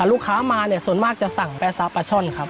ลูกค้ามาเนี่ยส่วนมากจะสั่งปลาซับปลาช่อนครับ